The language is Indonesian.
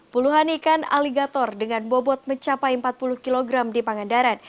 puluhan ikan aligator dengan bobot mencapai empat puluh kg di pangandaran